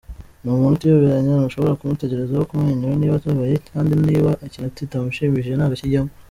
Ni umuntu utiyoberanya, ntushobora kumutegerezaho kumwenyura niba ababaye kandi niba ikintu kitamushimishije ntabwo akijyamo.